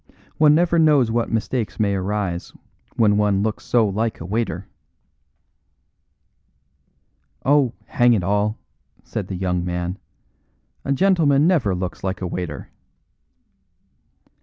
One never knows what mistakes may arise when one looks so like a waiter." "Oh, hang it all!" said the young man, "a gentleman never looks like a waiter."